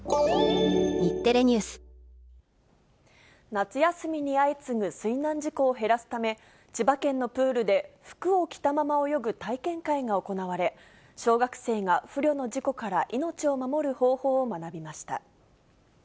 夏休みに相次ぐ水難事故を減らすため、千葉県のプールで服を着たまま泳ぐ体験会が行われ、小学生が不慮の事故から命を守る方法を学びました。